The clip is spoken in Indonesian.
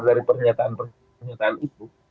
dari pernyataan pernyataan itu